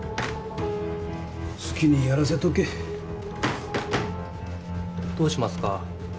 好きにやらせとけどうしますか？